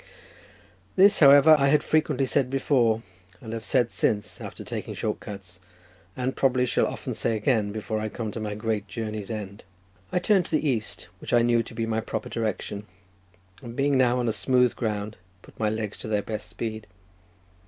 This, however, I had frequently said before, and have said since after taking short cuts—and probably shall often say again before I come to my great journey's end. I turned to the east, which I knew to be my proper direction, and being now on smooth ground, put my legs to their best speed.